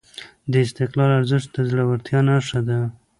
د استقلال ارزښت د زړورتیا نښه ده.